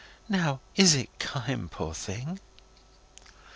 Now, is it kind, Poor Thing?"